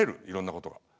いろんなことが。